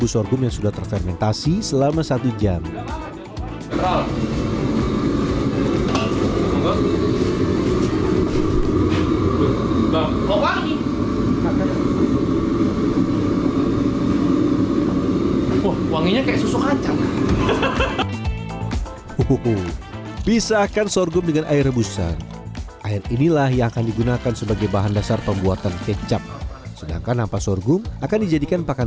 sorghum yang telah terfermentasi akan mengeluarkan jamur dan menempel satu sama lain